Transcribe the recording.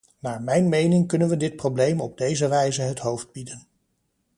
Naar mijn mening kunnen we dit probleem op deze wijze het hoofd bieden.